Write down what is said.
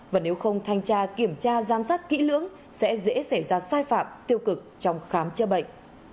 và nếu không thanh tra kiểm tra giám sát kỹ lưỡng sẽ dễ xảy ra sai phạm tiêu cực trong khám chữa bệnh